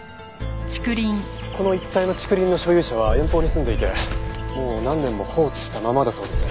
この一帯の竹林の所有者は遠方に住んでいてもう何年も放置したままだそうです。